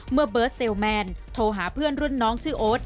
เมื่อเบิร์ตเซลแมนโทรหาเพื่อนรุ่นน้องชื่อโอ๊ต